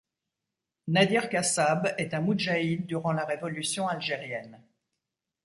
Nadir Kassab est un moudjahid durant la Révolution Algérienne.